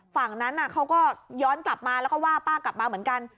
ฝั่งนั้นเขาก็ย้อนกลับมาแล้วก็ว่าป้ากลับมาเหมือนกัน